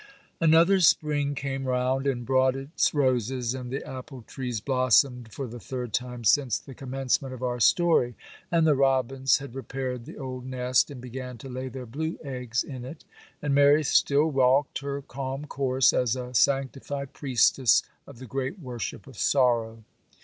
Another spring came round, and brought its roses, and the apple trees blossomed for the third time since the commencement of our story; and the robins had repaired the old nest, and began to lay their blue eggs in it; and Mary still walked her calm course, as a sanctified priestess of the great worship of sorrow.